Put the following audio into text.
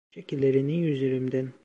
Çek ellerini üzerimden!